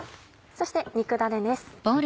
そして肉だねです。